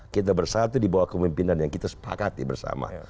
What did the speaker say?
kita bersatu di bawah kemimpinan yang kita sepakati bersama